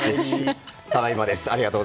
ただいまです。